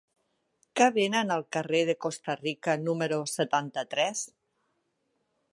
Què venen al carrer de Costa Rica número setanta-tres?